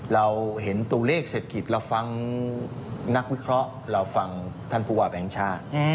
เราเห็นตัวเลขเศรษฐกิจเราฟังนักวิเคราะห์เราฟังท่านผู้วาบแห่งชาติ